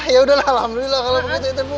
ya udahlah alhamdulillah kalau begitu itu